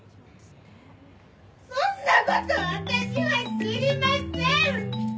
・そんなことわたしは知りません！